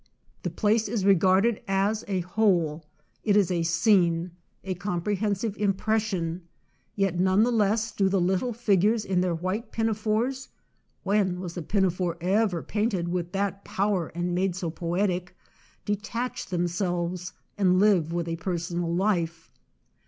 The place is regarded as a whole; it is a scene, a comprehensive im pression; yet none the less do the little figures in their white pinafores (when was the pinafore ever painted with that power and made so poetic ?) detach them selves, and live with a personal life.